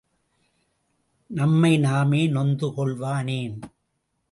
நம்மை நாமே நொந்து கொள்வானேன்?